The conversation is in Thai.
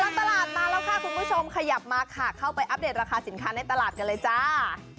ตลอดตลาดมาแล้วค่ะคุณผู้ชมขยับมาค่ะเข้าไปอัปเดตราคาสินค้าในตลาดกันเลยจ้า